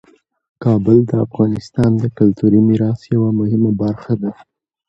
کابل د افغانستان د کلتوري میراث یوه مهمه برخه ده.